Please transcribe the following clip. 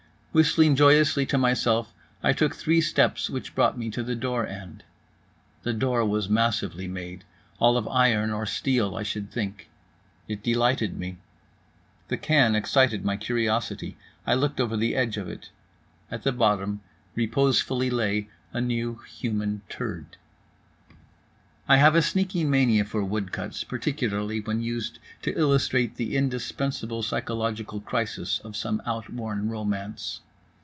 Whistling joyously to myself, I took three steps which brought me to the door end. The door was massively made, all of iron or steel I should think. It delighted me. The can excited my curiosity. I looked over the edge of it. At the bottom reposefully lay a new human turd. I have a sneaking mania for wood cuts, particularly when used to illustrate the indispensable psychological crisis of some outworn romance.